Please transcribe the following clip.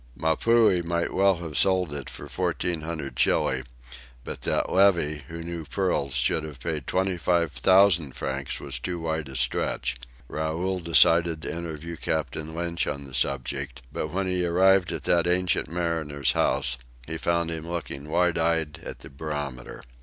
Mapuhi might well have sold it for fourteen hundred Chili, but that Levy, who knew pearls, should have paid twenty five thousand francs was too wide a stretch. Raoul decided to interview Captain Lynch on the subject, but when he arrived at that ancient mariner's house, he found him looking wide eyed at the barometer.